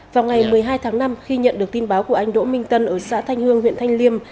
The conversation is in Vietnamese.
vào ngày một mươi hai tháng năm khi nhận được tin báo của anh đỗ minh tân ở xã thanh hương huyện thanh liêm